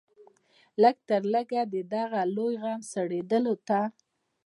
لږ تر لږه د دغه لوی غم سړېدلو ته.